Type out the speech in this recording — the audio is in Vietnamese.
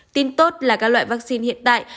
tin tốt là các loại vaccine hiện tại